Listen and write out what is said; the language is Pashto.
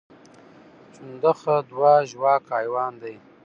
چنډخه دوه ژواکه حیوان دی